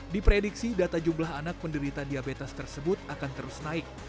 diprediksi data jumlah anak penderita diabetes tersebut akan terus naik